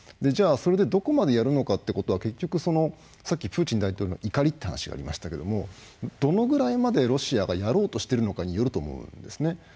じゃあそれでどこまでやるのかってことは結局そのさっきプーチン大統領の怒りって話がありましたけどもどのぐらいまでロシアがやろうとしているのかによると思うんですね。